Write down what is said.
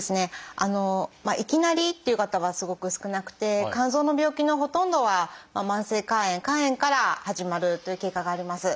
まあいきなりっていう方はすごく少なくて肝臓の病気のほとんどは慢性肝炎肝炎から始まるという経過があります。